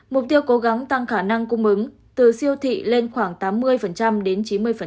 mục tiêu cố gắng tăng khả năng cung ứng từ siêu thị lên khoảng tám mươi đến chín mươi